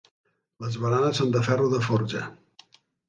Les baranes són de ferro de forja.